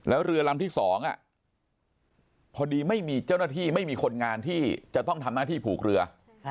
แล้วเรือลำที่๒พอดีไม่มีเจ้าหน้าที่ไม่มีคนงานที่จะต้องทำหน้าที่ผูกเรือ